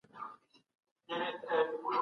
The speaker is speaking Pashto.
هغوی ولي لویه جرګه جوړه کړه؟